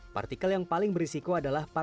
partikel yang paling berisiko adalah